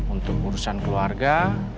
untuk urusan keluarga